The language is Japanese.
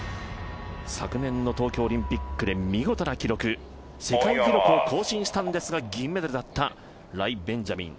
昨年の東京オリンピックで見事な記録世界記録を更新したんですが銀メダルだったライ・ベンジャミン。